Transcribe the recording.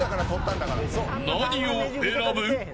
何を選ぶ。